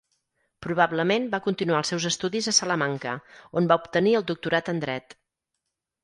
Probablement va continuar els seus estudis a Salamanca, on va obtenir el doctorat en Dret.